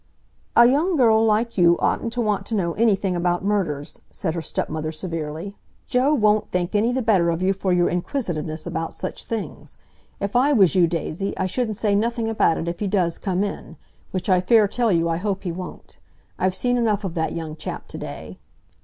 "A young girl like you oughtn't to want to know anything about murders," said her stepmother severely. "Joe won't think any the better of you for your inquisitiveness about such things. If I was you, Daisy, I shouldn't say nothing about it if he does come in—which I fair tell you I hope he won't. I've seen enough of that young chap to day."